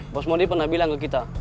bos modi pernah bilang ke kita